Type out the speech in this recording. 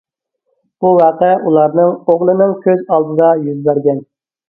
بۇ ۋەقە ئۇلارنىڭ ئوغلىنىڭ كۆز ئالدىدا يۈز بەرگەن.